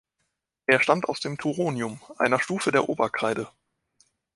Er stammt aus dem Turonium, einer Stufe der Oberkreide.